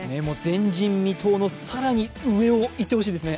前人未到の更に上をいってほしいですね。